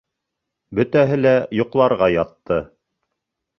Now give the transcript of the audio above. Бөтәһе лә йоҡларға ятты.